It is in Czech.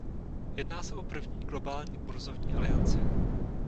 Jedná se o první globální burzovní alianci.